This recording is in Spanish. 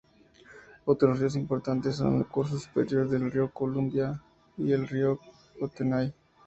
Otros ríos importantes son el curso superior del río Columbia y el río Kootenay.